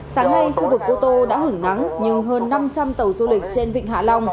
sáng nay khu vực cô tô đã hứng nắng nhưng hơn năm trăm linh tàu du lịch trên vịnh hạ long